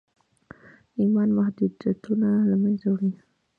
ايمان محدوديتونه له منځه وړي.